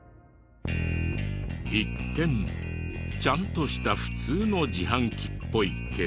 一見ちゃんとした普通の自販機っぽいけど。